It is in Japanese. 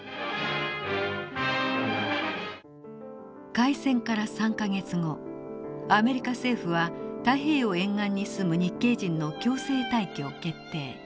開戦から３か月後アメリカ政府は太平洋沿岸に住む日系人の強制退去を決定。